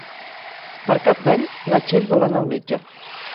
Per Cap d'Any na Txell vol anar al metge.